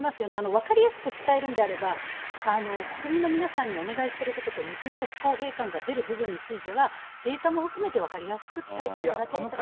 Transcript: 分かりやすく伝えるんであれば、国民の皆さんにお願いしてることと矛盾と不公平感が出る部分については、データも含めて分かりやすく伝えていただければと。